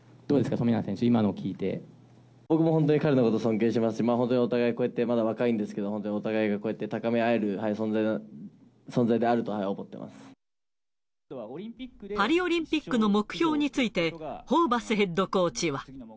富永選手、僕も本当に彼のこと、尊敬してますし、こうやってお互い若いんですけど、本当にお互いがこうやって高め合パリオリンピックの目標について、ホーバスヘッドコーチは。